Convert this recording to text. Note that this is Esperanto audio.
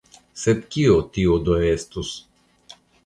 Sed kio tio do estus?